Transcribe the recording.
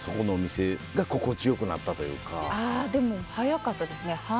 あでも早かったですね。